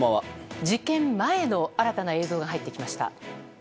事件前の新たな映像が入ってきました。